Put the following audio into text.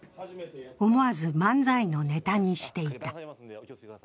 思わず漫才のネタにしていた。